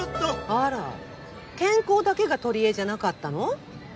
あら健康だけが取りえじゃなかったの？